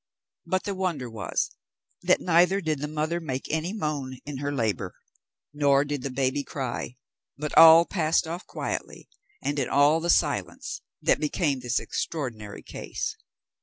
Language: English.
But the wonder was that neither did the mother make any moan in her labour, nor did the baby cry; but all passed off quietly, and in all the silence that became this extraordinary case.